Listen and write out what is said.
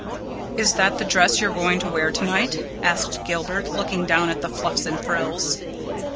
"Is that the dress you're going to wear tonight?" asked Gilbert, looking down at the fluffs and frills.